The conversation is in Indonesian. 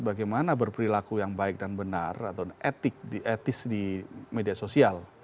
bagaimana berperilaku yang baik dan benar atau etis di media sosial